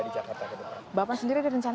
di jakarta ke depan bapak sendiri ada rencana